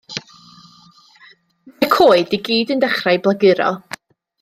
Mae'r coed i gyd yn dechrau blaguro.